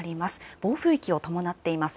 暴風域を伴っています。